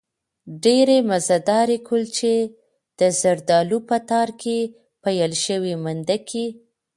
ډېرې مزهدارې کلچې، د زردالو په تار کې پېل شوې مندکې